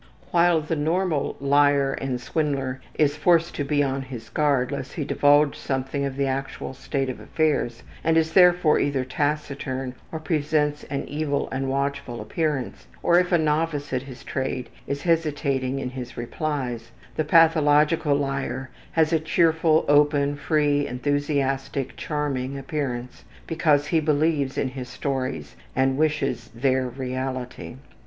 While the normal liar and swindler is forced to be on his guard lest he divulge something of the actual state of affairs, and is therefore either taciturn or presents an evil and watchful appearance, or, if a novice at his trade, is hesitating in his replies, the pathological liar has a cheerful, open, free, enthusiastic, charming appearance, because he believes in his stories and wishes their reality.